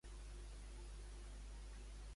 Quina és la lletra de la melodia que està sonant?